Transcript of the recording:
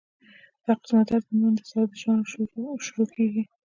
دا قسمه درد عموماً د سر د شا نه شورو کيږي